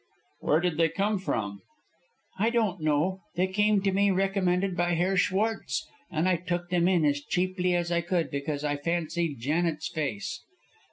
"Where did they come from?" "I don't know. They came to me recommended by Herr Schwartz, and I took them in as cheaply as I could, because I fancied Janet's face.